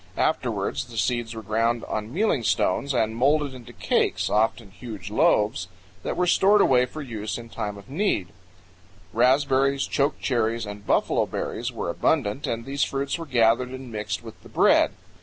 Afterwards the seeds were ground on 72 CANYONS OF THE COLORADO. mealing stones and molded into cakes, often huge loaves, that were stored away for use in time of need. Raspberries, chokecherries, and buffalo berries are abundant, and these fruits were gathered and mixed with the bread.